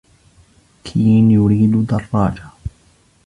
كين يريد دراجة.